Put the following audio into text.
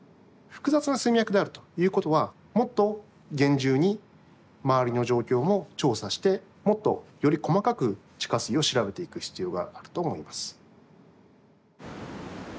複雑な水脈であるということはもっと厳重に周りの状況も調査してもっとより細かく地下水を調べていく必要があるかと思います。